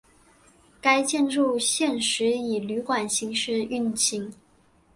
该建筑现时以旅馆形式运作。